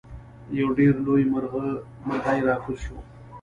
یو ډیر لوی مرغۍ راکوز شو.